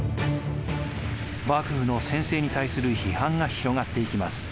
幕府の専制に対する批判が広がっていきます。